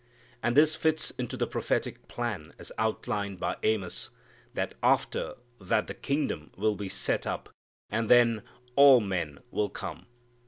And this fits into the prophetic plan as outlined by Amos, that after that the kingdom will be set up and then all men will come."